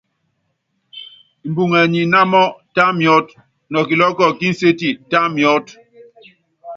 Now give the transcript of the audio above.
Mbuŋɛ ni inámɔ, tá miɔ́t, nɔ kilɔ́ɔ́kɔ ki nséti, tá miɔ́t.